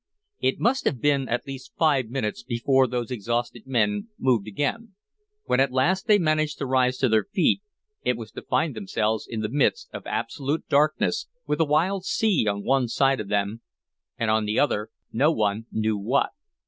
It must have been at least five minutes before those exhausted men moved again; when at last they managed to rise to their feet it was to find themselves in the midst of absolute darkness, with the wild sea on one side of them and on the other no one knew what.